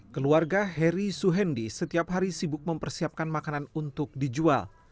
keluarga heri suhendi setiap hari sibuk mempersiapkan makanan untuk dijual